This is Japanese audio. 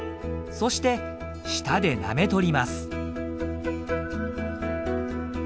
そして舌でなめとります。